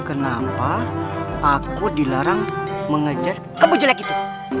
kenapa aku dilarang mengejar kebojelek itu